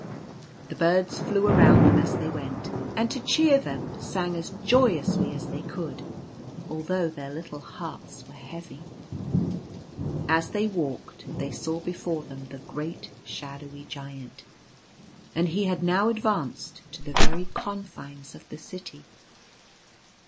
The birds flew around them as they went, and to cheer them sang as joyously as they could, although their little hearts were heavy. As they walked they saw before them the great shadowy Giant; and he had now advanced to the very confines of the city.